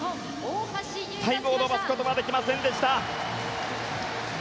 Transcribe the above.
タイムを伸ばすことができませんでした。